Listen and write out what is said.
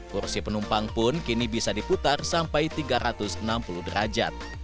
kursi penumpang pun kini bisa diputar sampai tiga ratus enam puluh derajat